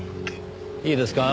いいですか？